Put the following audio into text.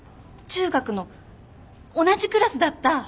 中学の同じクラスだった。